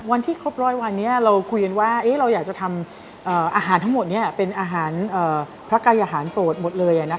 วันที่ครบร้อยวันนี้เราคุยกันว่าเราอยากจะทำอาหารทั้งหมดเป็นอาหารพระกายอาหารโปรดหมดเลย